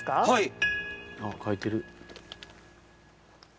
はい。